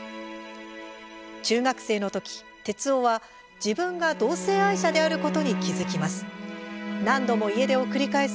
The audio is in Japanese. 中学生の時、徹男は自分が同性愛者であることに気付きます。